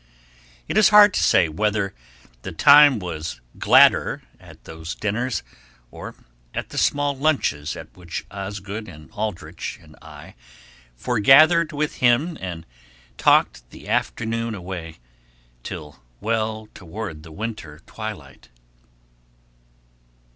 It is hard to say whether the time was gladder at these dinners, or at the small lunches at which Osgood and Aldrich and I foregathered with him and talked the afternoon away till well toward the winter twilight.